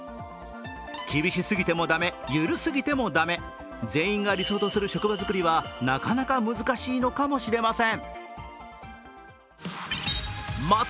厳しすぎても駄目、緩すぎても駄目全員が理想とする職場作りはなかなか難しいのかもしれません。